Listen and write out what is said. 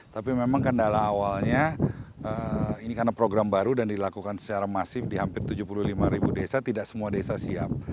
tapi memang kendala awalnya ini karena program baru dan dilakukan secara masif di hampir tujuh puluh lima ribu desa tidak semua desa siap